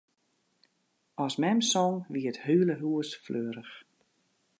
As mem song, wie it hiele hús fleurich.